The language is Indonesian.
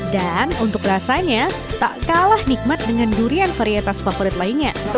dan untuk rasanya tak kalah nikmat dengan durian varietas favorit lainnya